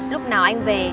lúc nào anh về